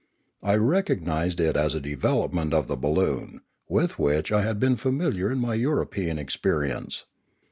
I recognised it as a development of the balloon, with which I had been familiar in my European experience.